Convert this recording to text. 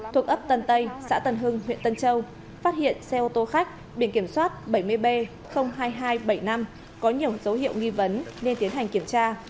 thuộc ấp tân tây xã tân hưng huyện tân châu phát hiện xe ô tô khách biển kiểm soát bảy mươi b hai nghìn hai trăm bảy mươi năm có nhiều dấu hiệu nghi vấn nên tiến hành kiểm tra